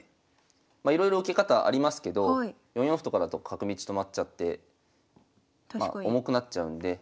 まあいろいろ受け方ありますけど４四歩とかだと角道止まっちゃって重くなっちゃうんで。